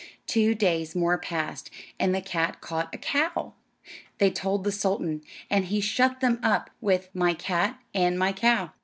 Two days more passed, and the cat caught a cow. They told the sultan, and he shut them up with "My cat, and my cow."